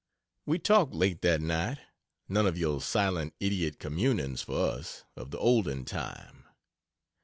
We talked late that night none of your silent idiot "communings" for us of the olden time.